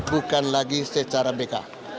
bukan lagi secara bk